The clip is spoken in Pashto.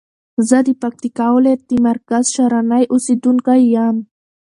زه د پکتیکا ولایت د مرکز شرنی اوسیدونکی یم.